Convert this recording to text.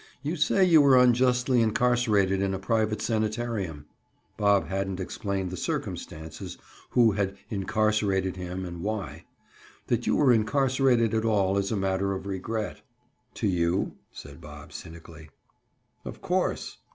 You say you were unjustly incarcerated in a private sanatorium." Bob hadn't explained the circumstances—who had "incarcerated" him and why. "That you were incarcerated at all is a matter of regret." "To you?" said Bob cynically. "Of course."